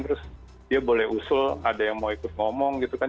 terus dia boleh usul ada yang mau ikut ngomong gitu kan